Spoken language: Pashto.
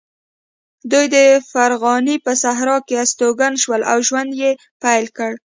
دوی د فرغانې په صحرا کې استوګن شول او ژوند یې پیل کړ.